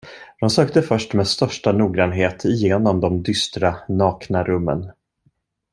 De sökte först med största noggrannhet igenom de dystra, nakna rummen.